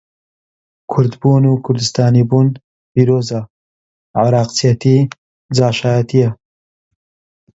کوردبوون و کوردستانی بوون پیرۆزە، عێڕاقچێتی جاشایەتییە.